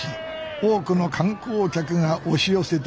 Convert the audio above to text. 多くの観光客が押し寄せてきています。